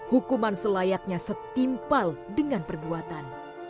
hukuman selayaknya setimpal dengan perbuatan